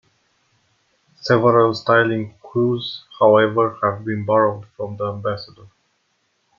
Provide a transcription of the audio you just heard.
Several styling cues, however, have been borrowed from the Ambassador.